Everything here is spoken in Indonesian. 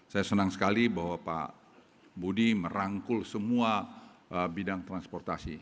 saya senang sekali bahwa pak budi merangkul semua bidang transportasi